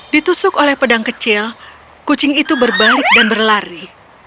ditusuk oleh pedang kecil kucing itu berbalik dan berlari